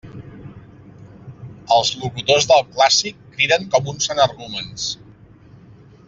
Els locutors del clàssic criden com uns energúmens.